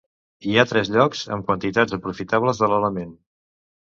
Hi ha tres llocs amb quantitats aprofitables de l'element.